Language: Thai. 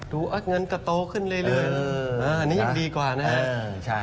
เงินก็โตขึ้นเรื่อยอันนี้ยังดีกว่านะครับ